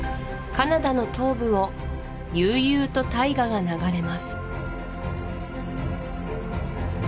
カナダの東部を悠々と大河が流れます